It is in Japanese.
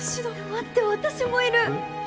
待って私もいる！